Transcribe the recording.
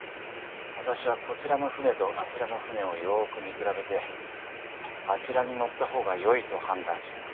私はこちらの船とあちらの船をよく見比べてあちらに乗った方がよいと判断したまで。